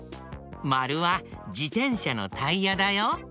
まるはじてんしゃのタイヤだよ。